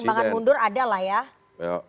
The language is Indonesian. jadi pertimbangan mundur ada lah ya